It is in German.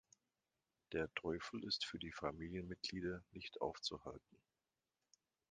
Der Teufel ist für die Familienmitglieder nicht aufzuhalten.